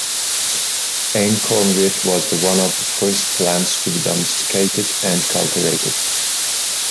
Einkorn wheat was one of the first plants to be domesticated and cultivated.